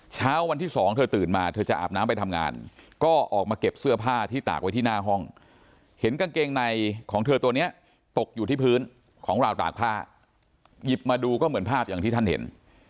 เช้าวันที่สองเธอตื่นมาเธอจะอาบน้ำไปทำงานก็ออกมาเก็บเสื้อผ้าที่ตากไว้ที่หน้าห้องเห็นกางเกงในของเธอตัวนี้ตกอยู่ที่พื้นของราวตากผ้าหยิบมาดูก็เหมือนภาพอย่างที่ท่านเห็น